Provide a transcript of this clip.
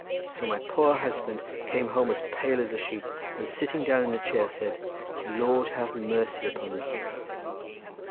So my poor husband came home as pale as a sheet, and sitting down in a chair said, "Lord, have mercy upon me!"